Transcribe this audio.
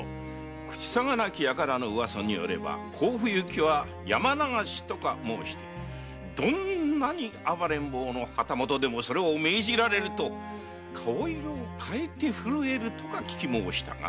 口さがなき輩の噂によれば甲府行きは「山流し」とか申してどんなに暴れん坊の旗本でもそれを命じられると顔色を変えて震えるとか聞きもうしたが？